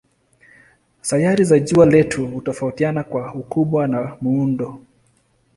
Sayari za jua letu hutofautiana kwa ukubwa na muundo.